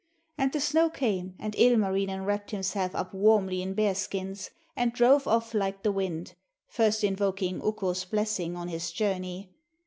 And the snow came, and Ilmarinen wrapped himself up warmly in bear skins, and drove off like the wind, first invoking Ukko's blessing on his journey.